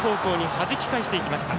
はじき返していきました。